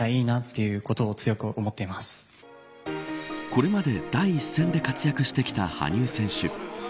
これまで第一線で活躍してきた羽生選手。